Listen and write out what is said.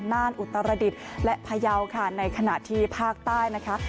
น่านอุตรดิษฐ์และพยาวค่ะในขณะที่ภาคใต้นะคะ